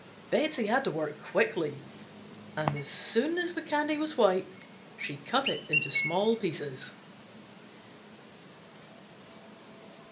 Betsey had to work quickly and as soon as the candy was white she cut it into small pieces.